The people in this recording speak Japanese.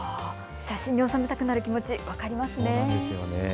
写真に収めたくなる気持ち分かりますね。